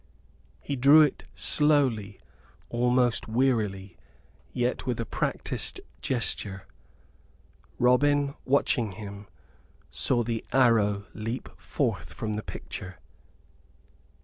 He drew it slowly, almost wearily, yet with a practised gesture. Robin, watching him, saw the arrow leap forth from the picture.